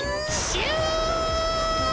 シュート！